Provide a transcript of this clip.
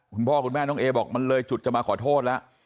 คุณพ่อคุณแม่น้องเอบอกมันเลยจุดจะมาขอโทษแล้ว